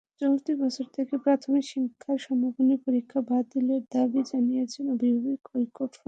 চলতি বছর থেকে প্রাথমিক শিক্ষা সমাপনী পরীক্ষা বাতিলের দাবি জানিয়েছে অভিভাবক ঐক্য ফোরাম।